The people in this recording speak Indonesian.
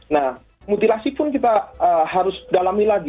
nah mutilasi pun kita harus dalami lagi